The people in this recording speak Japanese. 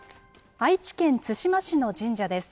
愛知県津島市の神社です。